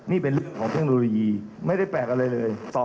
นี่เป็นเรื่องของเทคโนโลยีไม่ได้แปลกอะไรเลย